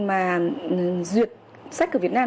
mà duyệt sách ở việt nam